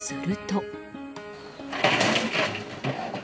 すると。